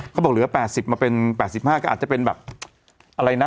เขาบอกเหลือ๘๐มาเป็น๘๕ก็อาจจะเป็นแบบอะไรนะ